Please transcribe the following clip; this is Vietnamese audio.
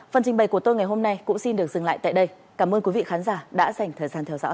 phần trình bày của tôi ngày hôm nay cũng xin được dừng lại tại đây cảm ơn quý vị khán giả đã dành thời gian theo dõi